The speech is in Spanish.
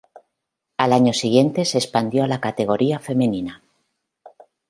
Al año siguiente, se expandió a la categoría femenina.